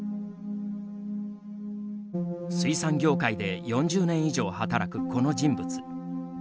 水産業界で４０年以上働くこの人物。